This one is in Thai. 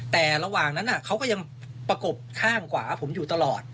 แต่ระหว่างนั้นเขาก็ยังประกบข้างขวาผมอยู่ตลอด